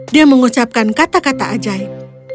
dia mengucapkan kata kata ajaib